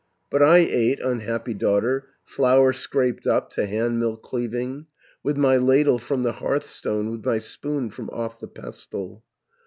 But I ate, unhappy daughter, Flour scraped up, to handmill cleaving, With my ladle from the hearthstone, With my spoon from off the pestle.